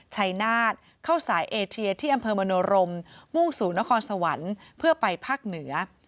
ชัยนาฏเข้าสายเอเทียที่อำเภอมโนรมมุ่งสู่นครสวรรค์เพื่อไปภาคเหนือ